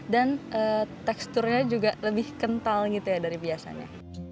dan teksturnya juga lebih kental gitu ya dari biasanya